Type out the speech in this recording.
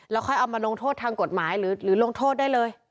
ค่อยเอามาลงโทษทางกฎหมายหรือลงโทษได้เลย